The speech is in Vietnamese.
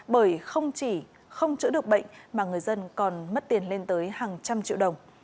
bởi không chỉ không chữa được bệnh mà người dân còn mất tiền lên tới hàng trăm triệu đồng